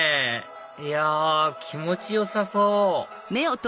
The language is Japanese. いや気持ちよさそう！